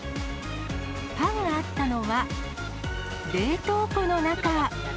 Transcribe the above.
パンがあったのは、冷凍庫の中。